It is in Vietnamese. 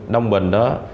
đông bình đó